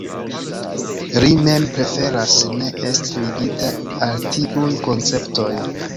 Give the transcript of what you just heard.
Ri mem preferas ne esti ligita al tiuj konceptoj.